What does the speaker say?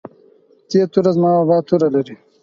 ت توره زما بابا توره لري